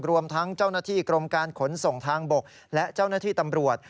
รวมทั้งเจ้าหน้าที่กรมการขนส่งทางบกและเจ้าหน้าที่ตำรวจ